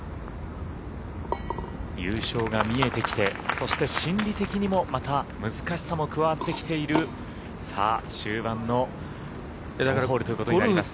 優勝が見えてきてそして心理的にもまた、難しさも加わってきている終盤のホールということになります。